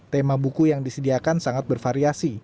tema buku yang disediakan sangat bervariasi